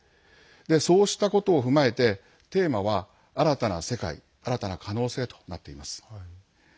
そうしたことを踏まえてテーマは新たな世界新たな可能性となっています。